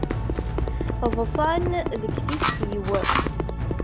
Ḍsan deg tikti-w.